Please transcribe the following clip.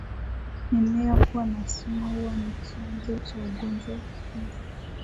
Mimea kuwa na sumu huwa ni chanzo cha ugonjwa huu